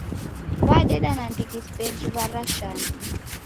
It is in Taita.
W'adeda nandighi seji w'arashana.